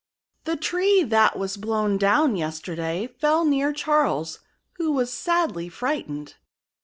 The tree that was blown down yesterday fell near Charles, who was sadly frightened."